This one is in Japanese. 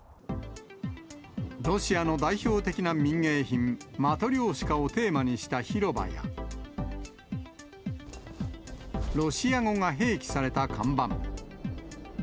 ロシアの代表的な民芸品、マトリョーシカをテーマにした広場や、ロシア語が併記された看板。